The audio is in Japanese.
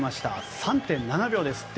３．７秒ですって。